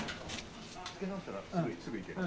つけ直したらすぐいける。